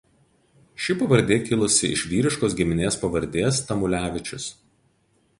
Ši pavardė kilusi iš vyriškos giminės pavardės Tamulevičius.